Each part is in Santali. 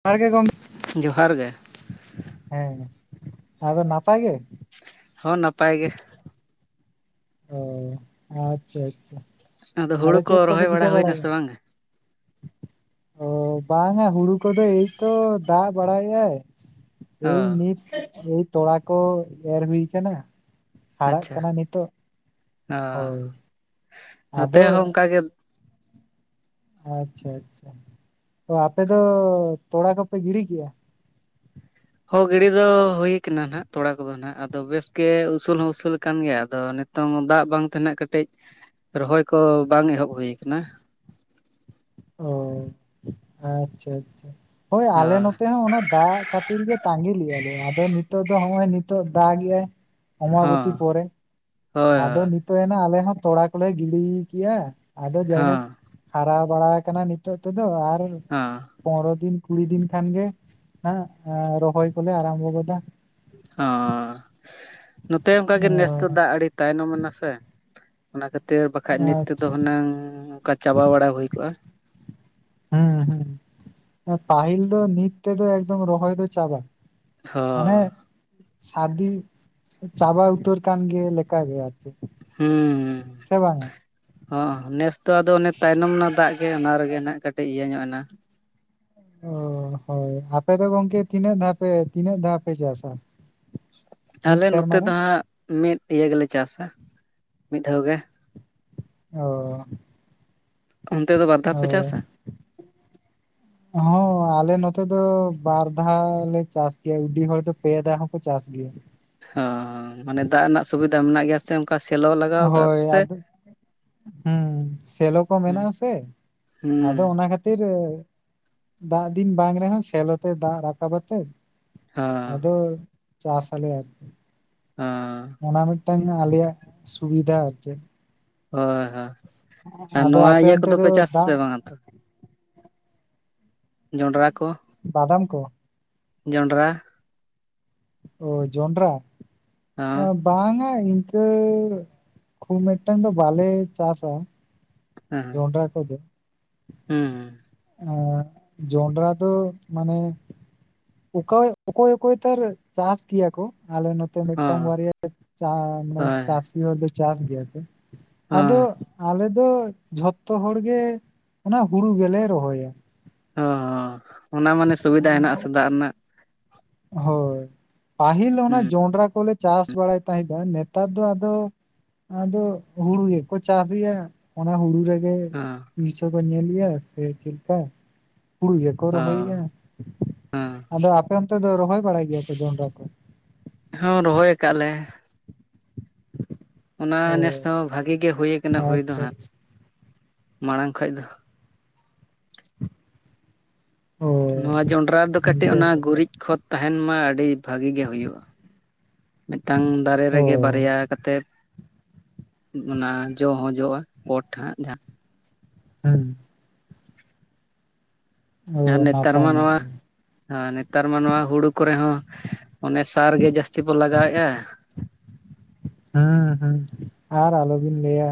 ᱱᱟᱯᱟᱭ ᱜᱮ ᱜᱚᱝᱠᱮ ᱡᱚᱦᱟᱨ ᱜᱮ ᱦᱮᱸ ᱟᱫᱚ ᱱᱟᱯᱟᱭ ᱜᱮ? ᱦᱚᱸ ᱱᱟᱯᱟᱭ ᱜᱮ ᱾ ᱚᱸ ᱟᱪᱪᱷᱟ ᱟᱪᱪᱷᱟ ᱟᱫᱚ ᱦᱩᱲᱩ ᱪᱮᱫ ᱠᱚ ᱠᱚᱯᱮ ᱨᱚᱦᱚᱭ ᱵᱟᱲᱟ ᱪᱤᱠᱟᱹ ᱦᱩᱭᱱᱟ ᱵᱟᱲᱟᱭᱼᱫᱟ? ᱥᱮ ᱵᱟᱝ ᱜᱮ ᱚᱸ ᱵᱟᱝᱼᱟ ᱦᱩᱲᱩ ᱠᱚᱫᱚ ᱮᱭᱛᱚ ᱫᱟᱜ ᱵᱟᱲᱟᱭ ᱮᱜ-ᱟᱭ᱾ ᱚ ᱮᱭ ᱱᱤᱛ ᱮᱭ ᱛᱚᱲᱟ ᱠᱚ ᱮᱨ ᱦᱩᱭ ᱠᱟᱱᱟ᱾ ᱦᱟᱨᱟᱜ ᱟᱪᱪᱷᱟ ᱠᱟᱱᱟ ᱱᱤᱛᱚᱜ᱾ ᱚ ᱦᱳᱭ ᱱᱚᱛᱮ ᱟᱫᱚ ᱦᱚᱸ ᱚᱱᱠᱟᱜᱮ, ᱟᱪᱪᱷᱟ ᱟᱪᱪᱷᱟ, ᱛᱚ ᱟᱯᱮ ᱫᱚ ᱛᱚᱲᱟ ᱠᱚᱯᱮ ᱜᱤᱰᱤ ᱠᱮᱜᱼᱟ? ᱦᱚᱸ ᱜᱤᱰᱤ ᱫᱚ ᱦᱩᱭᱟᱠᱟᱱᱟ ᱱᱟᱦᱟᱜ ᱛᱚᱲᱟ ᱠᱚᱫᱚ ᱱᱟᱦᱟᱜ ᱟᱫᱚ ᱵᱮᱥ ᱜᱮ ᱩᱥᱩᱞ ᱦᱚᱸ ᱩᱥᱩᱞ ᱟᱠᱟᱱ ᱜᱮᱭᱟ ᱟᱫᱚ ᱱᱤᱛ ᱱᱤᱛᱚᱝ ᱫᱟᱜ ᱵᱟᱝ ᱛᱮ ᱱᱟᱦᱟᱜ ᱠᱟᱹᱴᱤᱡ, ᱨᱚᱦᱚᱭ ᱠᱚ ᱵᱟᱝ ᱮᱦᱚᱵ ᱦᱩᱭ ᱠᱟᱱᱟ ᱾ ᱚ ᱟᱪᱪᱷᱟ ᱟᱪᱪᱷᱟ ᱦᱳᱭ ᱚ ᱟᱞᱮ ᱱᱚᱛᱮ ᱦᱚᱸ ᱚᱱᱟ ᱫᱟᱜ ᱠᱷᱟᱹᱛᱤᱨ ᱜᱮ ᱛᱟᱸᱜᱤ ᱞᱮᱫᱟ ᱞᱮ ᱟᱫᱚ ᱱᱤᱛᱚᱜ ᱫᱚ ᱱᱚᱜᱼᱚᱭ ᱱᱤᱛᱚᱜ ᱫᱟᱜ ᱮᱫ ᱟᱭ ᱾ ᱦᱚᱸ ᱚᱢᱵᱚᱵᱚᱛᱤ ᱯᱚᱨᱮ ᱦᱳᱭ ᱟᱫᱚ ᱱᱤᱛᱼᱼ ᱛᱚᱵᱮᱱᱟ ᱟᱞᱮ ᱦᱚᱸ ᱛᱚᱲᱟ ᱠᱚᱞᱮ ᱜᱤᱰᱤ ᱠᱮᱭᱟ ᱟᱫᱚ ᱦᱚᱸ ᱡᱟᱭᱦᱳᱠ ᱦᱟᱨᱟ ᱵᱟᱲᱟ ᱠᱟᱱᱟ ᱱᱤᱛᱚᱜ ᱛᱮᱫᱚ, ᱟᱨᱼᱼ ᱚ ᱯᱚᱱᱮᱨᱚ ᱫᱤᱱ ᱠᱩᱲᱤ ᱫᱤᱱ ᱠᱷᱟᱱ ᱜᱮ ᱨᱚᱦᱚᱭ ᱠᱚᱞᱮ ᱟᱨᱟᱢᱵᱚ ᱜᱚᱫᱟ ᱾ ᱚ ᱱᱚᱛᱮ ᱚ ᱦᱚᱸᱚᱱᱠᱟᱜᱮ ᱱᱮᱥ ᱫᱚ ᱫᱟᱜ ᱟᱹᱰᱤ ᱛᱟᱭᱱᱚᱢ ᱱᱟ ᱥᱮ, ᱚᱱᱟ ᱠᱷᱟᱹᱛᱤᱨ ᱵᱟᱠᱷᱟᱡ ᱱᱤᱛ ᱛᱮᱫᱚ ᱟᱪᱪᱷᱟ ᱦᱩᱱᱟᱹᱝ ᱚᱱᱠᱟ ᱪᱟᱵᱟ ᱵᱟᱲᱟ ᱦᱩᱭ ᱠᱚᱜᱼᱟ ᱾ ᱦᱮᱸ ᱦᱮᱸ ᱯᱟᱹᱦᱤᱞ ᱫᱚ ᱱᱤᱛ ᱛᱮ ᱫᱚ ᱮᱠᱫᱚᱢ ᱨᱚᱦᱚᱭ ᱫᱚ ᱪᱟᱵᱟ ᱾ ᱢᱟᱱᱮ ᱦᱚᱸ ᱥᱟᱨᱫᱤ ᱪᱟᱵᱟ ᱩᱛᱟᱹᱨ ᱠᱟᱱ ᱜᱮ ᱞᱮᱠᱟᱜᱮ ᱟᱹᱨᱠᱤ ᱾ ᱦᱩᱸ ᱦᱩᱸ ᱦᱚᱸ ᱱᱮᱥ ᱫᱚ ᱟᱫᱚ ᱚᱱᱮ ᱛᱟᱭᱱᱚᱢ ᱨᱮᱱᱟᱜ ᱫᱟᱜ ᱜᱮ ᱚᱱᱟ ᱨᱮᱜᱮ ᱱᱟᱜ ᱠᱟᱹᱴᱤᱡ ᱤᱭᱟᱹ ᱧᱚᱜ ᱮᱱᱟ ᱾ ᱚ ᱦᱳᱭ ᱟᱯᱮ ᱫᱚ ᱜᱚᱢᱠᱮ ᱛᱤᱱᱟᱹᱜ ᱫᱷᱟᱣ ᱯᱮ ᱛᱤᱱᱟᱹᱜ ᱫᱷᱟᱣ ᱯᱮ ᱪᱟᱥᱟ? ᱢᱤᱫ ᱟᱞᱮ ᱥᱮᱨᱢᱟ ᱱᱚᱛᱮ ᱨᱮ ᱫᱚ ᱦᱟᱸᱜ ᱢᱤᱫ ᱤᱭᱟᱹ ᱜᱮᱞᱮ ᱪᱟᱥᱟ, ᱢᱤᱫ ᱫᱷᱟᱣ ᱜᱮ ᱾ ᱚᱻ ᱚᱱᱛᱮ ᱫᱚ ᱵᱟᱨ ᱫᱷᱟᱣ ᱯᱮ ᱚ [unintelligible] ᱦᱚᱸ ᱟᱞᱮ ᱱᱚᱛᱮ ᱫᱚ ᱵᱟᱨ ᱫᱷᱟᱣ ᱞᱮ ᱪᱟᱥ ᱜᱮᱭᱟ, ᱩᱰᱤ ᱦᱚᱲ ᱫᱚ ᱯᱮ ᱫᱷᱟᱣ ᱦᱚᱸᱠᱚ ᱪᱟᱥ ᱜᱮᱭᱟ ᱾ ᱚ ᱢᱟᱱᱮ ᱫᱟᱜ ᱨᱮᱱᱟᱜ ᱥᱩᱵᱤᱫᱟ ᱢᱮᱱᱟᱜ ᱜᱮᱭᱟ ᱥᱮ, ᱚᱱᱠᱟ ᱥᱮᱞᱚ ᱞᱟᱜᱟᱣ ᱠᱟᱜᱼᱟ ᱦᱳᱭ ᱯᱮᱥᱮ ᱟᱫᱚ ᱦᱩᱸ ᱥᱮᱞᱚ ᱠᱚ ᱦᱩᱸ ᱢᱮᱱᱟᱜ ᱟᱥᱮ ᱦᱩᱸ ᱟᱫᱚ ᱚᱱᱟ ᱠᱷᱟᱹᱛᱤᱨ ᱫᱟᱜ ᱫᱤᱱ ᱵᱟᱝ ᱨᱮᱦᱚᱸ ᱥᱮᱞᱚ ᱛᱮ ᱫᱟᱜ ᱨᱟᱠᱟᱵ ᱠᱟᱛᱮ ᱦᱚᱸ ᱟᱫᱚ ᱪᱟᱥ ᱟᱞᱮ ᱟᱹᱨᱠᱤ ᱦᱮᱸ ᱚᱱᱟ ᱢᱤᱫᱴᱟᱝ ᱟᱞᱮᱭᱟᱜ ᱥᱩᱵᱤᱫᱷᱟ, ᱟᱨ ᱪᱮᱫ ᱦᱳᱭ ᱦᱳᱭ ᱟᱨ ᱟᱫᱚ ᱱᱚᱣᱟ ᱟᱯᱮ ᱤᱭᱟᱹ ᱚᱱᱛᱮ ᱫᱚ ᱠᱚᱫᱚᱯᱮ ᱪᱟᱥ ᱟᱥᱮ ᱫᱟᱜ ᱵᱟᱝᱼᱟ ᱛᱚ ᱡᱚᱸᱱᱰᱨᱟ ᱠᱚ ᱵᱟᱫᱟᱢ ᱠᱚ ᱡᱚᱱᱰᱨᱟ ᱚ ᱡᱚᱱᱰᱨᱟ ᱦᱚᱸ [unintelligible] ᱵᱟᱝᱟ ᱤᱱᱠᱟᱹ ᱠᱷᱩᱵ ᱢᱤᱫᱴᱟᱝ ᱫᱚ ᱵᱟᱞᱮ ᱪᱟᱥᱟ ᱾ ᱦᱮᱸ ᱡᱚᱱᱰᱨᱟ ᱠᱚᱫᱚ ᱦᱩᱸ ᱚ ᱡᱚᱱᱰᱨᱟ ᱫᱚ ᱢᱟᱱᱮ ᱚᱠᱟᱭ ᱚᱠᱚᱭ ᱚᱠᱚᱭ ᱛᱟᱨ ᱪᱟᱥ ᱜᱮᱭᱟ ᱠᱚ ᱟᱞᱮ ᱱᱚ -ᱛᱮ ᱢᱤᱫᱴᱟᱝ ᱦᱚᱸ ᱵᱟᱨᱭᱟ ᱦᱳᱭ [inaudible] ᱪᱟᱹᱥᱤ ᱦᱚᱲᱫᱚ ᱪᱟᱥ ᱜᱮᱭᱟ ᱠᱚ ᱟᱫᱚ ᱦᱚᱸ ᱟᱞᱮ ᱫᱚ ᱡᱷᱚᱛᱚ ᱦᱚᱲ ᱜᱮ ᱚᱱᱟ ᱦᱩᱲᱩ ᱜᱮᱞᱮ ᱨᱚᱦᱚᱭᱟ ᱾ ᱚᱻ ᱚᱱᱟ ᱢᱟᱱᱮ ᱥᱩᱵᱤᱫᱟ ᱦᱮᱱᱟᱜ ᱟᱥᱮ ᱫᱟᱜ ᱨᱮᱱᱟᱜ ᱾ ᱦᱳᱭ ᱯᱟᱹᱦᱤᱞ ᱚᱱᱟ ᱦᱩᱸ ᱡᱚᱱᱰᱨᱟ ᱠᱚᱞᱮ ᱪᱟᱥ ᱵᱟᱲᱟᱭ ᱛᱟᱦᱮᱸᱫ ᱫᱚ ᱱᱮᱛᱟᱨ ᱫᱚ ᱟᱫᱚ ᱟᱫᱚ ᱦᱩᱲᱩ ᱜᱮᱠᱚ ᱪᱟᱥ ᱮᱜᱼᱟ᱾ ᱚᱱᱟ ᱦᱩᱲᱩ ᱨᱮᱜᱮ ᱦᱚᱸ ᱯᱩᱭᱥᱟᱹ ᱠᱚ ᱧᱮᱞᱮᱜᱼᱟ ᱥᱮ ᱪᱮᱫ ᱞᱮᱠᱟ᱾ ᱦᱩᱲᱩ ᱜᱮᱠᱚ ᱦᱚᱸ ᱨᱚᱦᱚᱭᱮᱜᱼᱟ, ᱦᱚᱸ ᱟᱫᱚ ᱟᱯᱮ ᱚᱱᱛᱮ ᱫᱚ ᱨᱚᱦᱚᱭ ᱵᱟᱲᱟᱭ ᱜᱮᱭᱟ ᱯᱮ ᱡᱚᱱᱰᱨᱟ ᱠᱚ? ᱦᱚᱸ ᱨᱚᱦᱚᱭ ᱟᱠᱟᱫ ᱟᱞᱮ᱾ ᱚᱱᱟ ᱚ ᱱᱮᱥ ᱫᱚ ᱵᱷᱟᱜᱤ ᱜᱮ ᱦᱩᱭ ᱟᱠᱟᱱᱟ ᱦᱩᱭ ᱫᱚ ᱟᱪᱪᱷᱟ ᱦᱟᱸᱜ ᱟᱪᱪᱷᱟ ᱢᱟᱲᱟᱝ ᱠᱷᱚᱡ ᱫᱚ᱾ ᱚ ᱱᱚᱣᱟ ᱡᱚᱱᱰᱨᱟ ᱨᱮᱫᱚ ᱠᱟᱹᱴᱤᱡ ᱱᱤᱝᱠᱟᱹ ᱚᱱᱟ ᱵᱮᱯᱟᱨ ᱜᱩᱨᱤᱡ ᱠᱷᱚᱛ ᱛᱟᱦᱮᱱ ᱢᱟ ᱟᱹᱰᱤ᱾ ᱵᱷᱟᱜᱤ ᱜᱮ ᱦᱩᱭᱩᱜᱼᱟ ᱢᱤᱫᱴᱟᱝ ᱫᱟᱨᱮ ᱨᱮᱜᱮ ᱚ ᱵᱟᱨᱭᱟ᱾ ᱠᱟᱛᱮᱫ ᱚᱱᱟ ᱡᱚ ᱦᱚᱸ ᱡᱚᱜᱼᱟ ᱯᱚᱴ ᱦᱟᱸᱜ ᱡᱟᱦᱟᱸ᱾ ᱦᱩᱸ᱾ ᱚ ᱱᱮᱛᱟᱨ ᱱᱟᱯᱟᱭ ᱢᱟ ᱱᱚᱣᱟ᱾ ᱱᱟᱯᱟᱭ ᱚᱸ ᱱᱮᱛᱟᱨ ᱢᱟ ᱱᱚᱣᱟ ᱦᱩᱲᱩ ᱠᱚᱨᱮ ᱦᱚᱸ ᱚᱱᱮ ᱥᱟᱨ ᱜᱮ ᱡᱟᱹᱥᱛᱤ ᱵᱚ ᱞᱟᱜᱟᱣᱮᱫᱼᱟ᱾ ᱦᱩᱸ ᱦᱩᱸ ᱟᱨ ᱟᱞᱚᱵᱤᱱ ᱞᱟᱹᱭᱟ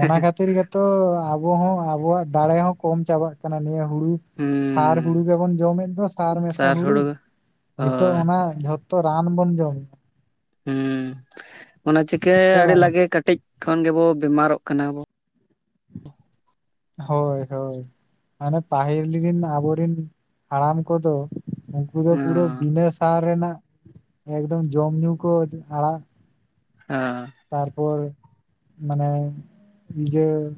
ᱚᱱᱟ ᱠᱷᱟᱹᱛᱤᱨ ᱜᱮ᱾ ᱛᱚ ᱟᱵᱚ ᱦᱚᱸ ᱟᱵᱚᱣᱟᱜ ᱫᱟᱲᱮ ᱦᱚᱸ ᱠᱚᱢ ᱪᱟᱵᱟᱜ ᱠᱟᱱᱟ ᱱᱤᱭᱟᱹ ᱦᱩᱲᱩ᱾ ᱦᱩᱸ ᱥᱟᱨ ᱦᱩᱲᱩ ᱜᱮᱵᱚᱱ ᱡᱚᱢᱮᱫ ᱫᱚ ᱥᱟᱨ ᱢᱮᱥᱟ ᱦᱩᱲᱩ ᱱᱤᱛᱳᱜ ᱚᱱᱟ ᱡᱚᱛᱚ᱾ ᱛᱚ ᱨᱟᱱ ᱵᱚᱱ ᱡᱚᱢ ᱮᱫᱟ᱾ ᱦᱮᱸ ᱚᱱᱟ ᱪᱤᱠᱟᱹ ᱥᱮ ᱟᱹᱰᱤ ᱵᱟᱝᱟ ᱞᱟᱜᱮ ᱠᱟᱹᱴᱤᱡ ᱠᱷᱚᱱ ᱜᱮᱵᱚ ᱵᱤᱢᱟᱨᱚᱜ ᱠᱟᱱᱟᱵᱚ᱾ ᱦᱳᱭ ᱦᱳᱭ᱾ ᱢᱟᱱᱮ ᱯᱟᱹᱟᱦᱤᱞ ᱨᱤᱱ ᱟᱵᱚᱨᱤᱱ ᱦᱟᱲᱟᱢ ᱠᱚᱫᱚ᱾ ᱯᱩᱨᱟᱹ ᱯᱩᱨᱟᱹ ᱦᱚᱸ ᱵᱤᱱᱟᱹ ᱥᱟᱨ ᱨᱮᱱᱟᱜ ᱮᱠᱫᱚᱢ ᱡᱚᱢ ᱧᱩ ᱠᱚ ᱟᱲᱟᱜ᱾ [inaudible] ᱛᱟᱨᱯᱚᱨ ᱢᱟᱱᱮ ᱵᱩᱡᱷᱟᱹᱣ ᱾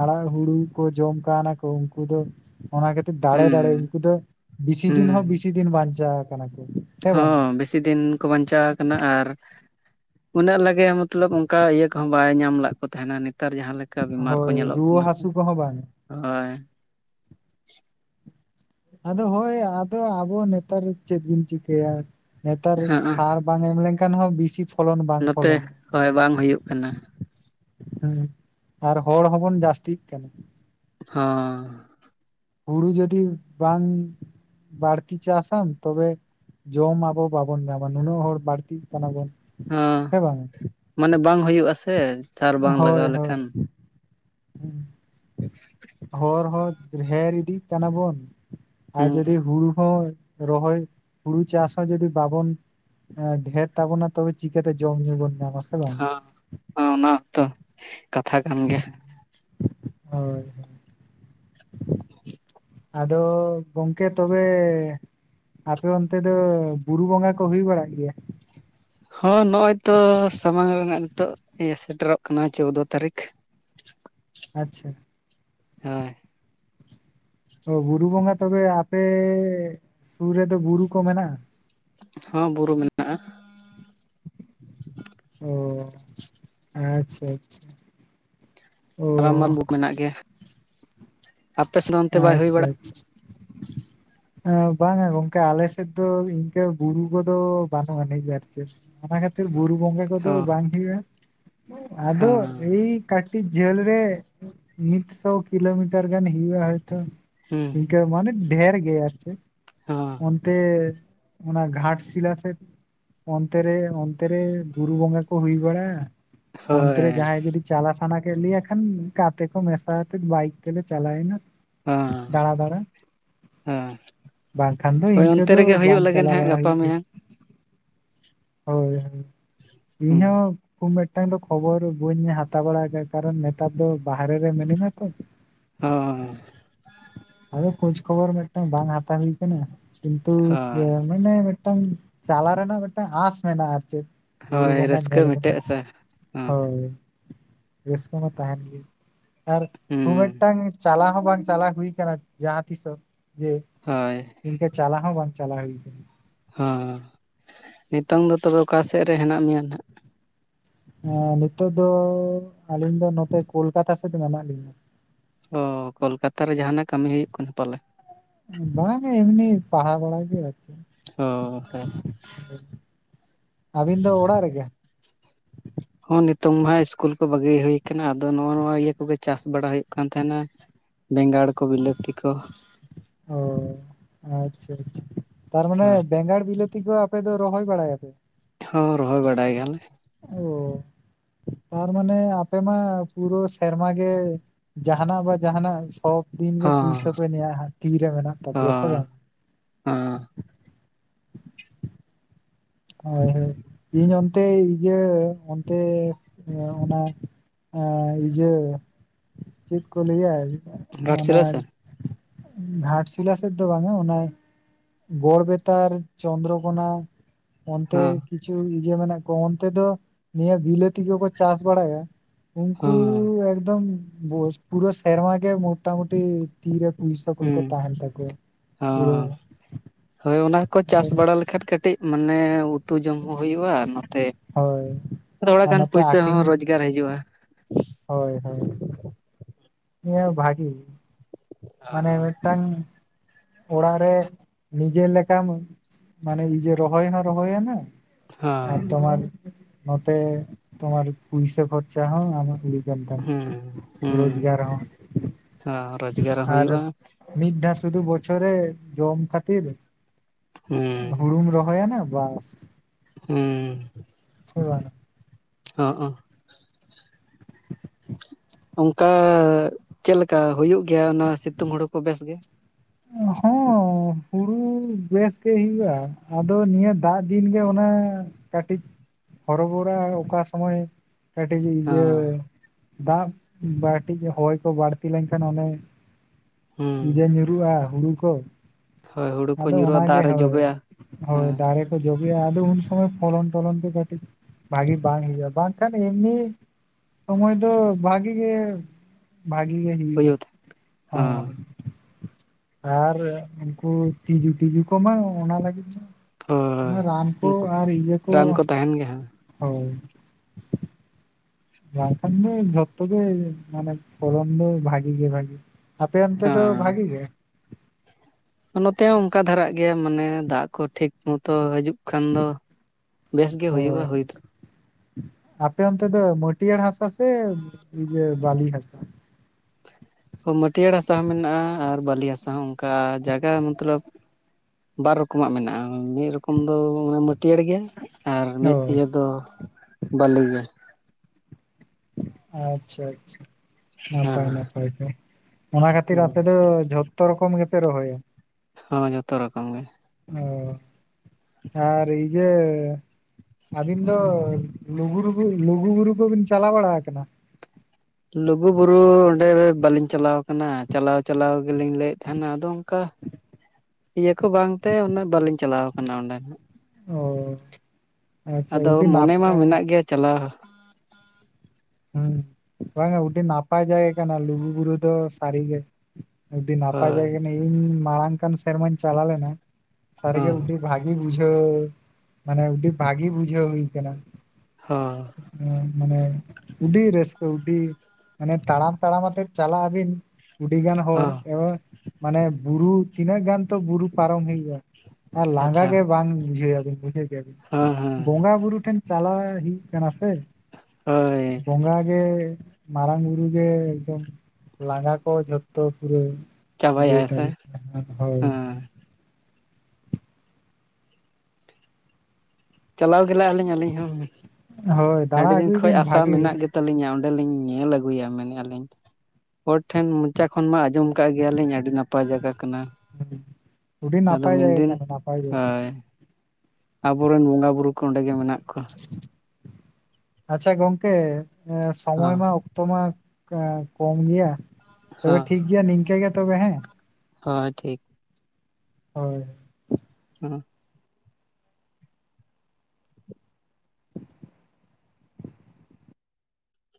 ᱟᱲᱟᱜ ᱦᱩᱲᱩ ᱠᱚ ᱡᱚᱢ ᱠᱟᱱᱟ ᱠᱚ ᱩᱱᱠᱩ ᱫᱚ ᱚᱱᱟ ᱜᱮ᱾ ᱦᱚᱸ ᱫᱟᱲᱮ ᱫᱟᱲᱮ ᱦᱩᱸ ᱩᱱᱠᱩ ᱫᱚ ᱵᱮᱥᱤ ᱫᱤᱱ ᱦᱩᱸ ᱦᱚᱸ ᱵᱮᱥᱤ ᱫᱤᱱ ᱵᱟᱧᱪᱟᱣ ᱟᱠᱟᱱᱟ ᱠᱚ᱾ ᱥᱮ ᱵᱟᱝ ᱦᱚᱸ ᱵᱮᱥᱤ ᱫᱤᱱ ᱠᱚ ᱵᱟᱧᱪᱟᱣ ᱟᱠᱟᱱᱟ ᱟᱨ᱾ ᱩᱱᱟᱹᱜ ᱞᱟᱜᱮ ᱢᱚᱛᱞᱚᱵ ᱚᱱᱠᱟ ᱤᱭᱟᱹ ᱠᱚᱦᱚᱸ ᱵᱟᱭ ᱧᱟᱢ ᱞᱮᱫ ᱠᱚ ᱛᱟᱦᱮᱱᱟ ᱱᱮᱛᱟᱨ ᱡᱟᱦᱟᱸ ᱞᱮ᱾ ᱠᱟ ᱵᱤᱢᱟᱨ ᱠᱚ ᱦᱳᱭ ᱧᱮᱞᱚᱜ ᱨᱩᱣᱟᱹ ᱠᱟᱱᱟ ᱥᱮ ᱦᱟᱹᱥᱩ ᱠᱚᱦᱚᱸ ᱵᱟᱝ ᱦᱳᱭ᱾ ᱟᱫᱚ ᱦᱳᱭ ᱟᱫᱚ ᱟᱵᱚ ᱱᱮᱛᱟᱨ ᱪᱮᱫ ᱵᱤᱱ ᱪᱤᱠᱟᱹᱭᱟ ᱱᱮᱛᱟᱨ ᱦᱚᱸᱜ ᱥᱟᱨ᱾ ᱵᱟᱝ ᱮᱢ ᱞᱮᱱᱠᱷᱟᱱ ᱦᱚᱸ ᱵᱤᱥᱤ᱾ ᱱᱚᱛᱮ ᱦᱳᱭ ᱵᱟᱝ ᱦᱩᱭᱩᱜ ᱠᱟᱱᱟ᱾ ᱦᱩᱸ ᱟᱨ ᱦᱚᱲ ᱦᱚᱸᱵᱚᱱ ᱡᱟᱹᱥᱛᱤᱜ ᱠᱟᱱᱟ᱾ ᱦᱚᱸ᱾ ᱦᱩᱲᱩ ᱡᱩᱚᱫᱤ ᱵᱟᱝ ᱵᱟᱲᱛᱤ ᱪᱟᱥᱟᱢ ᱛᱚᱵᱮ᱾ ᱡᱚᱢ ᱟᱵᱚ ᱵᱟᱵᱚᱱ ᱧᱟᱢᱟ ᱱᱩᱱᱟᱹᱜ ᱦᱚᱲ ᱵᱟᱹᱲᱛᱤ ᱠᱟᱱᱟ ᱵᱚᱱ᱾ ᱦᱮᱸ ᱥᱮ ᱵᱟᱝ ᱢᱟᱱᱮ ᱵᱟᱝ ᱦᱩᱭᱩᱜᱼᱟ ᱥᱮ ᱥᱟᱨ ᱵᱟᱝ ᱦᱳᱭ ᱞᱟᱜᱟᱣ ᱦᱳᱭ ᱞᱮᱠᱷᱟᱱ᱾ ᱦᱚᱨ ᱦᱚ ᱰᱷᱮᱨ ᱤᱫᱤ ᱠᱟᱱᱟ ᱵᱚᱱ᱾ ᱟᱨ ᱦᱩᱸ ᱡᱚᱫᱤ ᱦᱩᱲᱩ ᱦᱚᱸ ᱨᱚᱦᱚᱭ ᱦᱩᱲᱩ ᱪᱟᱥ ᱦᱚᱸ ᱡᱚᱫᱤ ᱵᱟᱵᱚᱱ᱾ ᱦᱮᱸ ᱰᱷᱮᱨ ᱛᱟᱵᱚᱱᱟ ᱛᱚᱵᱮ ᱪᱤᱠᱟᱛᱮ ᱡᱚᱢ ᱧᱩ ᱵᱚᱱ ᱧᱟᱢᱟ ᱥᱮ᱾ ᱵᱟᱝ ᱦᱚᱸ ᱚᱱᱟ ᱦᱚᱛᱚ ᱠᱟᱛᱷᱟ ᱠᱟᱱ ᱜᱮᱭᱟ᱾ ᱦᱳᱭ᱾ [inaudible] [unintelligible] ᱟᱫᱚ ᱜᱚᱢᱠᱮ ᱛᱚᱵᱮ᱾ ᱟᱯᱮ ᱚᱱᱛᱮ ᱫᱚ ᱵᱩᱨᱩ ᱵᱚᱸᱜᱟ ᱠᱚ ᱦᱩᱭ ᱵᱟᱲᱟ ᱜᱮᱭᱟ? ᱦᱚᱸ ᱱᱚᱜᱼᱚᱭ ᱛᱚ ᱥᱟᱢᱟᱝ ᱨᱮᱱᱟᱜ ᱱᱤᱛᱚᱜ ᱤᱭᱟᱹ ᱥᱮᱴᱮᱨᱚᱜ ᱠᱟᱱᱟ ᱪᱳᱣᱫᱚ ᱛᱟᱹᱨᱤᱠᱷ᱾ ᱟᱪᱷᱟ᱾ ᱦᱮᱸ ᱚ ᱵᱩᱨᱩ ᱵᱚᱸᱜᱟ ᱛᱚᱵᱮ ᱟᱯᱮ ᱥᱩᱨ ᱨᱮᱫᱚ ᱵᱩᱨᱩ ᱠᱚ ᱢᱮᱱᱟᱜᱼᱟ ᱦᱚᱸ ᱵᱩᱨᱩ ᱢᱮᱱᱟᱜᱼᱟ ᱳ ᱟᱪᱪᱷᱟ ᱟᱪᱪᱷᱟ ᱚ ᱢᱟᱨᱟᱝ ᱢᱟᱨᱟᱝ ᱵᱩᱠ ᱢᱮᱱᱟᱜ ᱜᱮᱼᱼ ᱵᱟᱭ ᱦᱩᱭ ᱟᱪᱪᱷᱟ ᱟᱪᱪᱷᱟ [inaudible] ᱵᱟᱝᱼᱟ ᱜᱚᱝᱠᱮ ᱟᱞᱮ ᱥᱮᱫ ᱫᱚ ᱤᱱᱠᱟᱹ ᱵᱩᱨᱩ ᱠᱚᱫᱚ ᱵᱟᱹᱱᱩᱜ ᱟᱹᱱᱤᱡ ᱟᱨ ᱪᱮᱫ ᱚᱱᱟ ᱠᱷᱟᱹᱛᱤᱨ ᱵᱩᱨᱩ ᱵᱚᱸᱜᱟ ᱠᱚᱫᱚ ᱦᱚᱸ ᱵᱟᱝ ᱦᱩᱭᱩᱜᱼᱟ ᱟᱫᱚ ᱦᱚᱸ ᱮᱭ ᱠᱟᱼᱼ ᱴᱤᱡ ᱡᱷᱟᱞ ᱨᱮ ᱢᱤᱫᱥᱚ ᱠᱤᱞᱳᱢᱤᱴᱟᱨ ᱜᱟᱱ ᱦᱩᱭᱩᱜᱼᱟ ᱦᱳᱭ ᱛᱚ ᱦᱩᱸ ᱤᱱᱠᱟ ᱢᱟᱱᱮ ᱰᱷᱮᱨ ᱜᱮᱭᱟ ᱟᱨᱪᱮ ᱦᱚ ᱚᱱᱛᱮ ᱚᱱᱟ ᱜᱷᱟᱴᱥᱤᱞᱟ ᱥᱮᱫ ᱚᱱᱛᱮ ᱨᱮ ᱚᱱᱛᱮ ᱨᱮ ᱵᱩᱨᱩ ᱵᱚᱸᱜᱟ ᱠᱚ ᱦᱩᱭ ᱵᱟᱲᱟᱜᱼᱟ ᱚᱱᱛᱮ ᱦᱳᱭ ᱨᱮ ᱡᱟᱦᱟᱸᱭ ᱡᱩᱫᱤ ᱪᱟᱞᱟ ᱥᱟᱱᱟ ᱠᱮᱫ ᱞᱮᱭᱟ ᱠᱷᱟᱱ ᱜᱟᱛᱮ ᱠᱚ ᱢᱮᱥᱟᱛᱮᱫ ᱵᱟᱭᱤᱠ ᱛᱮᱞᱮ ᱪᱟᱞᱟᱭ ᱮᱱᱟ ᱦᱚᱸ ᱫᱟᱬᱟ ᱫᱟᱬᱟ ᱦᱚᱸ ᱵᱟᱝᱠᱷᱟᱱ ᱫᱚ ᱦᱳᱭ ᱤᱱᱠᱟᱹ ᱚᱱᱛᱮ ᱫᱚ ᱨᱮᱜᱮ ᱦᱩᱭᱩᱜ ᱵᱟᱝ ᱞᱟᱹᱜᱤᱫ ᱪᱟᱞᱟ ᱦᱟᱸᱜ ᱵᱟᱲᱟ ᱜᱟᱯᱟ ᱦᱩᱭᱩᱜ ᱜᱮᱭᱟ ᱢᱮᱭᱟᱝ ᱦᱳᱭ ᱦᱳᱭ ᱦᱩᱸ ᱤᱧᱦᱚᱸ ᱠᱷᱩᱵ ᱢᱤᱫᱴᱟᱝ ᱫᱚ ᱠᱷᱚᱵᱚᱨ ᱵᱟᱹᱧ ᱦᱟᱛᱟᱣ ᱵᱟᱲᱟ ᱟᱠᱟᱫᱟ ᱠᱟᱨᱚᱱ ᱱᱮᱛᱟᱨ ᱫᱚ ᱵᱟᱦᱨᱮ ᱨᱮ ᱢᱤᱱᱟᱹᱧᱟ ᱛᱚ ᱦᱚᱸ ᱟᱫᱚ ᱠᱷᱳᱡᱽ ᱠᱷᱚᱵᱚᱨ ᱢᱤᱫᱴᱟᱝ ᱵᱟᱝ ᱦᱟᱛᱟᱣ ᱦᱩᱭ ᱠᱟᱱᱟ ᱠᱤᱱᱛᱩ ᱡᱮ ᱦᱳᱭ ᱢᱟᱱᱮ ᱢᱤᱫᱴᱟᱝ ᱪᱟᱞᱟ ᱨᱮᱱᱟᱜ ᱢᱤᱫᱴᱟᱝ ᱟᱸᱥ ᱢᱮᱱᱟᱜᱼᱟ ᱟᱨ ᱪᱮᱫ ᱵᱩᱨᱩ ᱦᱳᱭ ᱵᱚᱸᱜᱟ ᱨᱟᱹᱥᱠᱟᱹ ᱧᱮᱞ ᱢᱤᱫᱴᱮᱡ ᱨᱮᱱᱟᱜ ᱥᱮ ᱦᱚᱸ ᱦᱳᱭ ᱨᱟᱹᱥᱠᱟᱹ ᱢᱟ ᱛᱟᱦᱮᱱ ᱜᱮ ᱟᱨ ᱠᱷᱩᱵ ᱦᱩᱸ ᱢᱤᱫᱴᱟᱝ ᱪᱟᱞᱟ ᱦᱚᱸ ᱵᱟᱝ ᱪᱟᱞᱟ ᱦᱩᱭ ᱟᱠᱟᱱᱟ ᱡᱟᱦᱟᱸ ᱛᱤᱥᱚᱜ ᱡᱮ ᱦᱳᱭ ᱚᱱᱛᱮ ᱪᱟᱞᱟ ᱦᱚᱸ ᱵᱟᱝ ᱪᱟᱞᱟ ᱦᱩᱭ ᱟᱠᱟᱱᱟ ᱦᱮᱸ ᱱᱤᱛᱚᱝ ᱫᱚ ᱛᱚᱵᱮ ᱚᱠᱟ ᱥᱮᱫ ᱨᱮ ᱦᱮᱱᱟᱜ ᱢᱮᱭᱟ ᱱᱟᱦᱟᱜ ᱱᱤᱛᱳᱜ ᱫᱚ ᱟᱹᱞᱤᱧ ᱫᱚ ᱱᱚᱛᱮ ᱠᱳᱞᱠᱟᱛᱟ ᱥᱮᱫ ᱢᱮᱱᱟᱜ ᱞᱤᱧᱟ ᱚ ᱠᱳᱞᱠᱟᱛᱟ ᱨᱮ ᱡᱟᱦᱟᱸᱱᱟᱜ ᱠᱟᱹᱢᱤ ᱦᱩᱭᱩᱜ ᱠᱟᱱᱟ ᱯᱟᱞᱮ ᱵᱟᱝᱼᱟ ᱮᱢᱱᱤ ᱯᱟᱲᱦᱟ ᱵᱟᱲᱟ ᱜᱮ ᱚ ᱟᱹᱵᱤᱱ ᱫᱚ ᱚᱲᱟᱜ ᱨᱮᱜᱮ ᱦᱚᱸ ᱱᱤᱛᱚᱝ ᱢᱟ ᱤᱥᱠᱩᱞ ᱠᱚ ᱵᱟᱹᱜᱤ ᱦᱩᱭ ᱟᱠᱟᱱᱟ ᱟᱫᱚ ᱱᱚᱣᱟ ᱱᱚᱣᱟ ᱤᱭᱟᱹ ᱠᱚᱜᱮ ᱪᱟᱥ ᱵᱟᱲᱟ ᱦᱩᱭᱩᱜ ᱠᱟᱱ ᱛᱟᱦᱮᱱᱟ ᱵᱮᱸᱜᱟᱲ ᱠᱚ ᱵᱤᱞᱟᱹᱛᱤ ᱠᱚ ᱚᱸ ᱟᱪᱪᱷᱟ ᱟᱪᱪᱷᱟ ᱛᱟᱨ ᱢᱟᱱᱮ ᱦᱳᱭ ᱵᱮᱸᱜᱟᱲ ᱵᱤᱞᱟᱹ -ᱛᱤ ᱠᱚ ᱟᱯᱮ ᱫᱚ ᱨᱚᱦᱚᱭ ᱵᱟᱲᱟᱭᱟᱯᱮ ᱦᱚᱸ ᱨᱚᱦᱚᱭ ᱵᱟᱲᱟᱭ ᱜᱮᱭᱟᱞᱮ ᱚᱸ ᱛᱟᱨ ᱢᱟᱱᱮ ᱟᱯᱮ ᱢᱟ ᱯᱩᱨᱟᱹ ᱥᱮᱨᱢᱟ ᱜᱮ ᱡᱟᱦᱟᱱᱟᱜ ᱵᱟ ᱡᱟᱦᱟᱱᱟᱜ ᱥᱚᱵ ᱫᱤᱱ ᱜᱮ ᱦᱚᱸ ᱯᱩᱭᱥᱟᱹ ᱯᱮ ᱱᱮᱭᱟ ᱛᱤᱨᱮ ᱢᱮᱱᱟᱜ ᱛᱟᱯᱮᱭᱟ ᱥᱮ ᱵᱟᱝ ᱚᱸ ᱦᱳᱭ ᱦᱳᱭ ᱤᱧ ᱦᱚᱧ ᱚᱱᱛᱮ ᱤᱭᱟᱹ ᱚᱱᱛᱮ ᱮ ᱚᱱᱟ ᱮ ᱤᱡᱟᱹ ᱛᱮ ᱪᱮᱫ ᱠᱚ ᱞᱟᱹᱭᱟ ᱚᱱᱟ ᱜᱷᱟᱴᱥᱤᱞᱟᱹ ᱥᱮᱱ ᱜᱷᱟᱴᱥᱤᱞᱟ ᱥᱮᱫ ᱫᱚ ᱵᱟᱝ-ᱟ ᱚᱱᱟ ᱜᱚᱲᱵᱮᱛᱟᱷ ᱪᱚᱱᱫᱨᱚᱜᱚᱱᱟ ᱚᱱᱛᱮ ᱦᱚᱸ ᱠᱤᱪᱷᱩ ᱤᱭᱟᱹ ᱢᱮᱱᱟᱜ ᱠᱚᱣᱟ ᱚᱱᱛᱮ ᱫᱚ ᱱᱤᱭᱟᱹ ᱵᱤᱞᱟᱹᱛᱤ ᱠᱚᱠᱚ ᱪᱟᱥ ᱵᱟᱲᱟᱭᱟ᱾ ᱩᱱᱠᱩ ᱦᱚᱸ ᱮᱠᱫᱚᱢ ᱯᱩᱨᱟᱹ ᱥᱮᱨᱢᱟ ᱜᱮ ᱢᱳᱴᱟ ᱢᱩᱴᱤ ᱛᱤᱨᱮ ᱯᱩᱭᱥᱟᱹ ᱠᱚᱠᱚ ᱦᱩᱸ ᱛᱟᱦᱮᱱ ᱛᱟᱠᱚᱣᱟ ᱯᱩᱨᱟᱹ᱾ ᱦᱚᱸ ᱦᱳᱭ ᱚᱱᱟᱠᱚ ᱪᱟᱥ ᱢᱤᱫᱴᱮᱱ, ᱵᱟᱲᱟ ᱞᱮᱠᱷᱟᱱ ᱠᱟᱹᱴᱤᱡ ᱢᱟᱱᱮ ᱩᱛᱩ ᱡᱚᱢ ᱦᱚᱸ ᱦᱩᱭᱩᱜ-ᱟ ᱱᱚᱛᱮ ᱦᱳᱭ ᱛᱷᱚᱲᱟ ᱟᱨ ᱜᱟᱱ ᱱᱚᱛᱮ ᱯᱩᱭᱥᱟᱹ ᱦᱚᱸ ᱟᱠᱷᱨᱤᱧ ᱨᱳᱡᱽᱜᱟᱨ ᱦᱤᱡᱩᱜ-ᱟ᱾ ᱦᱳᱭ ᱦᱳᱭ᱾ ᱱᱤᱭᱟᱹ ᱵᱷᱟᱹᱜᱤ ᱢᱟᱱᱮ ᱢᱤᱫᱴᱟᱝ ᱚᱲᱟᱜ ᱨᱮ ᱱᱤᱡᱮᱨ ᱞᱮᱠᱟᱢ ᱢᱟᱱᱮ ᱤᱡᱟᱹ ᱨᱚᱦᱚᱭ ᱦᱚᱸ ᱨᱚᱦᱚᱭᱮᱱᱟ, ᱟᱨ ᱦᱚᱸ ᱛᱚᱢᱟᱨ ᱱᱚᱛᱮ ᱛᱚᱢᱟᱨ ᱯᱩᱭᱥᱟᱹ ᱠᱷᱚᱨᱪᱟ ᱦᱚᱸ ᱟᱢᱟᱜ ᱦᱩᱸ [unintelligible] ᱦᱩᱸ ᱨᱳᱡᱽᱜᱟᱨ ᱦᱚᱸ ᱦᱚᱸ ᱨᱳᱡᱽᱜᱟᱨ ᱟᱨ ᱦᱩᱭᱩᱜ-ᱟ᱾ ᱢᱤᱫ ᱫᱷᱟᱣ ᱥᱩᱫᱩ ᱵᱚᱪᱷᱚᱨᱮ ᱡᱚᱢ ᱠᱷᱟᱹᱛᱤᱨ ᱦᱩᱸ ᱦᱩᱲᱩᱢ ᱨᱚᱦᱚᱭᱟᱱᱟ ᱵᱟᱥ ᱦᱩᱸ᱾ ᱥᱮ ᱵᱟᱝ-ᱟ᱾ ᱦᱚᱸ ᱚᱸ᱾ ᱚᱱᱠᱟ ᱪᱮᱞᱠᱟ ᱦᱩᱭᱩᱜ ᱜᱮᱭᱟ ᱚᱱᱟ ᱥᱤᱛᱩᱝ ᱦᱩᱲᱩ ᱠᱚ ᱵᱮᱥ ᱜᱮ ᱦᱚᱸ ᱦᱩᱲᱩ ᱵᱮᱥᱜᱮ ᱦᱩᱭᱩᱜ-ᱟ ᱟᱫᱚ ᱱᱤᱭᱟᱹ ᱫᱟᱜ ᱫᱤᱱ ᱜᱮ ᱚᱱᱟ ᱠᱟᱹᱴᱤᱡ ᱦᱚᱨᱚᱵᱚᱨᱟ ᱚᱠᱟ ᱥᱚᱢᱚᱭ ᱠᱟᱹᱴᱤᱡ ᱤᱭᱟᱹ ᱦᱚᱸ ᱫᱟᱜ ᱵᱟ ᱠᱟᱹᱴᱤᱡ ᱦᱚᱭ ᱠᱚ ᱵᱟᱹᱲᱛᱤ ᱞᱮᱱᱠᱷᱟᱱ ᱚᱱᱮ ᱦᱩᱸ ᱡᱮ ᱧᱩᱨᱩᱜ-ᱟ ᱦᱩᱲᱩ ᱠᱚ ᱦᱳᱭ ᱦᱩᱲᱩ ᱠᱚ ᱟᱫᱚ ᱧᱩᱨᱩᱜᱼᱟ ᱚᱱᱟᱜᱮ ᱫᱟᱜ ᱨᱮ ᱦᱳᱭ ᱡᱚᱵᱮᱜᱼᱟ ᱦᱳᱭ ᱦᱮᱸ ᱫᱟᱨᱮ ᱡᱚᱵᱮ-ᱟ ᱟᱫᱚ ᱩᱱ ᱥᱚᱢᱚᱭ ᱯᱷᱚᱞᱚᱱ ᱴᱚᱞᱚᱱ ᱠᱚ ᱠᱟᱹᱴᱤᱡ ᱵᱷᱟᱜᱤ ᱵᱟᱝ ᱦᱩᱭᱩᱜ-ᱟ ᱵᱟᱝ ᱠᱷᱟᱱ ᱮᱢᱱᱤ ᱥᱚᱢᱚᱭ ᱫᱚ ᱵᱷᱟᱜᱤ ᱜᱮ ᱵᱷᱟᱹᱜᱤ ᱜᱮ ᱦᱩᱭᱩᱜ-ᱟ ᱦᱩᱭᱩᱜ ᱦᱮᱸ ᱚᱸ᱾ ᱟᱨ ᱩᱱᱠᱩ ᱛᱤᱡᱩ ᱛᱤᱡᱩ ᱠᱚᱢᱟ ᱚᱱᱟ ᱞᱟᱹᱜᱤᱫ ᱢᱟ ᱦᱳᱭ ᱚᱱᱟ ᱨᱟᱱ ᱠᱚ ᱟᱨ ᱤᱭᱟᱹ ᱠᱚ ᱨᱟᱱ ᱛᱟᱦᱮᱱ ᱜᱮᱭᱟ ᱦᱟᱸᱜ ᱦᱳᱭ᱾ ᱡᱟᱦᱟᱴᱟᱜ ᱜᱮ ᱡᱷᱚᱛᱚ ᱜᱮ ᱢᱟᱱᱮ ᱯᱷᱚᱞᱚᱱ ᱫᱚ ᱵᱷᱟᱜᱤ ᱜᱮ ᱵᱷᱟᱜᱤ ᱟᱯᱮ ᱚᱱᱛᱮ ᱫᱚ ᱦᱮᱸ ᱵᱷᱟᱜᱤ ᱜᱮ? ᱱᱚᱛᱮ ᱦᱚᱸ ᱚᱱᱠᱟ ᱫᱷᱟᱨᱟᱜ ᱜᱮ ᱢᱟᱱᱮ ᱫᱟᱜ ᱠᱚ ᱴᱷᱤᱠ ᱢᱚᱛᱚ ᱦᱤᱡᱩᱜ ᱠᱷᱟᱱ ᱫᱚ ᱵᱮᱥ ᱜᱮ ᱦᱩᱭᱩᱜᱼᱟ ᱚᱸ᱾ ᱦᱩᱭ ᱫᱚ ᱟᱯᱮ ᱚᱱᱛᱮ ᱫᱚ ᱢᱟᱹᱴᱭᱟᱹᱲ ᱦᱟᱥᱟ ᱥᱮ ᱤᱭᱟᱹ ᱵᱟᱞᱤ ᱦᱟᱥᱟ? ᱢᱟᱹᱴᱭᱟᱹᱲ ᱦᱟᱥᱟ ᱦᱚᱸ ᱢᱮᱱᱟᱜ-ᱟ ᱟᱨ ᱵᱟᱹᱞᱤ ᱦᱟᱥᱟ ᱦᱚᱸ ᱚᱱᱠᱟ ᱡᱟᱸᱜᱟ ᱢᱚᱛᱞᱚᱵ ᱵᱟᱨ ᱨᱚᱠᱚᱢᱟᱜ ᱢᱮᱱᱟᱜ-ᱟ ᱢᱤᱫ ᱨᱚᱠᱚᱢ ᱫᱚ ᱢᱟᱹᱴᱭᱟᱹᱲ ᱜᱮᱭᱟ, ᱟᱨ ᱚ ᱢᱤᱫ ᱤᱭᱟᱹ ᱫᱚ ᱵᱟᱹᱞᱤ ᱜᱮ᱾ ᱟᱪᱪᱷᱟ ᱟᱪᱪᱷᱟ᱾ ᱱᱟᱯᱟᱭ ᱦᱮᱸ ᱱᱟᱯᱟᱭ ᱚᱱᱟ ᱠᱷᱟᱹᱛᱤᱨ ᱟᱯᱮ ᱫᱚ ᱡᱷᱚᱛᱛᱚ ᱨᱚᱠᱚᱢ ᱜᱮᱯᱮ ᱨᱚᱦᱚᱭᱟ? ᱦᱚᱸ ᱡᱷᱚᱛᱚ ᱨᱚᱠᱚᱢ ᱜᱮ᱾ ᱚ ᱟᱨ ᱤᱭᱟᱹ ᱟᱹᱵᱤᱱ ᱫᱚ ᱞᱩᱜᱩ ᱨᱩᱵᱩ ᱞᱩᱜᱩᱵᱩᱨᱩ ᱠᱚᱵᱤᱱ ᱪᱟᱞᱟᱣ ᱵᱟᱲᱟ ᱟᱠᱟᱱᱟ? ᱞᱩᱜᱩ ᱵᱩᱨᱩ ᱚᱸᱰᱮ ᱵᱟᱞᱤᱧ ᱪᱟᱞᱟᱣ ᱟᱠᱟᱱᱟ ᱪᱟᱞᱟᱣ ᱪᱟᱞᱟᱣ ᱜᱮᱞᱤᱧ ᱞᱟᱹᱭᱮᱫ ᱛᱟᱦᱮᱱᱟ ᱟᱫᱚ ᱚᱱᱠᱟ ᱤᱭᱟᱹ ᱠᱚ ᱵᱟᱝᱛᱮ ᱚᱱᱮ ᱵᱟᱹᱞᱤᱧ ᱪᱟᱞᱟᱣ ᱠᱟᱱᱟ ᱚᱸᱰᱮ ᱦᱟᱸᱜ᱾ ᱚᱻ ᱟᱫᱚ ᱢᱚᱱᱮ ᱢᱟ ᱢᱮᱱᱟᱜ ᱜᱮ ᱪᱟᱞᱟᱣ᱾ ᱦᱮᱸ ᱵᱟᱝ ᱟ ᱟᱹᱰᱤ ᱱᱟᱯᱟᱭ ᱡᱟᱭᱜᱟ ᱠᱟᱱᱟ ᱞᱩᱜᱩᱵᱩᱨᱩ ᱫᱚ ᱥᱟᱹᱨᱤᱜᱮ᱾ ᱟᱹᱰᱤ ᱱᱟᱯᱟᱭ ᱦᱳᱭ ᱡᱟᱭᱜᱟ ᱠᱟᱱᱟ ᱤᱧ ᱢᱟᱲᱟᱝ ᱠᱟᱱ ᱥᱮᱨᱢᱟᱧ ᱪᱟᱞᱟᱣ ᱞᱮᱱᱟ ᱥᱟᱹᱨᱤᱜᱮ ᱦᱚᱸ ᱟᱹᱰᱤ ᱵᱷᱟᱹᱜᱤ᱾ ᱵᱩᱡᱷᱟᱹᱣ ᱢᱟᱱᱮ ᱟᱹᱰᱤ ᱵᱷᱟᱜᱤ ᱵᱩᱡᱷᱟᱹᱣ ᱦᱩᱭ ᱟᱠᱟᱱᱟ᱾ ᱦᱚᱸ᱾ ᱦᱮᱸ ᱢᱟᱱᱮ᱾ ᱟᱹᱰᱤ ᱨᱟᱹᱥᱠᱟᱹ ᱟᱹᱰᱤ ᱢᱟᱱᱮ ᱛᱟᱲᱟᱢ ᱛᱟᱲᱟᱢ ᱟᱛᱮᱫ ᱪᱟᱞᱟᱜ ᱟᱹᱵᱤᱱ᱾ ᱟᱹᱰᱤᱜᱟᱱ ᱦᱚᱲ ᱦᱚᱸ ᱮᱵᱚᱝ ᱢᱟᱱᱮ ᱵᱩᱨᱩ ᱛᱤᱱᱟᱹᱜ ᱜᱟᱱ ᱛᱚ ᱵᱩᱨᱩ ᱯᱟᱨᱚᱢ ᱦᱩᱭᱩᱜᱼᱟ? ᱟᱨ ᱞᱟᱸᱜᱟ ᱟᱪᱪᱷᱟ ᱜᱮ ᱵᱟᱝ ᱵᱩᱡᱷᱟᱹᱣᱟᱵᱤᱱ ᱵᱩᱡᱷᱟᱹᱣ ᱠᱮᱭᱟᱵᱤᱱ, ᱦᱚᱸ ᱦᱚᱸ ᱵᱚᱸᱜᱟ ᱵᱩᱨᱩ ᱴᱷᱮᱱ᱾ ᱪᱟᱞᱟᱣ ᱮ ᱦᱩᱭᱩᱜ ᱠᱟᱱᱟ ᱥᱮ᱾ ᱦᱳᱭ᱾ ᱵᱚᱸᱜᱟ ᱜᱮ ᱢᱟᱨᱟᱝ ᱵᱩᱨᱩ ᱜᱮ ᱮᱠᱫᱚᱢ ᱞᱟᱸᱜᱟ ᱠᱚ ᱡᱚᱛᱚ ᱯᱩᱨᱟᱹ᱾ ᱪᱟᱵᱟᱭᱟᱭ ᱥᱮ [inaudible] ᱦᱮᱸ ᱪᱟᱞᱟᱣ ᱜᱮᱞᱟᱜ ᱟᱹᱞᱤᱧ ᱟᱹᱞᱤᱧ ᱦᱚᱸ ᱦᱳᱭ ᱫᱟᱬᱟ ᱟᱹᱰᱤ ᱫᱤᱱ ᱟᱹᱜᱩᱭ ᱠᱷᱚᱱ ᱵᱤᱱ ᱟᱥᱟ ᱵᱷᱟᱜᱮ ᱢᱮᱱᱟᱜ ᱜᱮ᱾ ᱛᱟᱞᱤᱧᱟ ᱚᱸᱰᱮ ᱞᱤᱧ ᱧᱮᱞ ᱟᱹᱜᱩᱭᱟ ᱢᱮᱱᱮᱫ ᱟᱞᱤᱧ᱾ ᱦᱚᱲ ᱴᱷᱮᱱ ᱢᱚᱪᱟ ᱠᱷᱚᱱ ᱢᱟ ᱟᱸᱡᱚᱢ ᱟᱠᱟᱫ ᱜᱮᱭᱟᱞᱤᱧ ᱟᱹᱰᱤ ᱱᱟᱯᱟᱭ ᱡᱟᱭᱜᱟ ᱠᱟᱱᱟ᱾ ᱟᱹᱰᱤ ᱟᱫᱚ ᱱᱟᱯᱟᱭ ᱡᱟᱭᱜᱟ ᱢᱤᱫᱫᱤᱱ ᱠᱟᱱᱟ ᱱᱟᱯᱟᱭ ᱡᱟᱭᱜᱟ ᱦᱳᱭ᱾ ᱟᱵᱚᱨᱮᱱ ᱵᱚᱸᱜᱟ ᱵᱩᱨᱩ ᱠᱚ ᱚᱸᱰᱮᱜᱮ ᱢᱮᱱᱟᱜ ᱠᱚᱣᱟ᱾ ᱟᱪᱷᱟ ᱜᱚᱢᱠᱮ ᱥᱚᱢᱚᱭ ᱦᱚᱸ ᱢᱟ᱾ ᱛᱚ ᱢᱟ ᱠᱚᱢ ᱜᱮᱭᱟ ᱛᱚᱵᱮ ᱦᱚᱸ ᱴᱷᱤᱠ ᱜᱮᱭᱟ ᱱᱤᱝᱠᱟᱹ ᱜᱮ ᱛᱚᱵᱮ ᱦᱮᱸ᱾ ᱦᱚᱸ ᱴᱷᱤᱠ᱾ ᱦᱳᱭ᱾ ᱦᱩᱸ ᱾